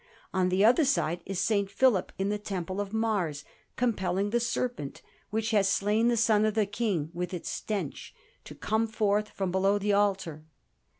On the other side is S. Philip in the Temple of Mars, compelling the serpent, which has slain the son of the King with its stench, to come forth from below the altar.